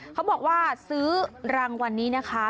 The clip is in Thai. เขาบอกว่าซื้อรางวัลนี้นะคะ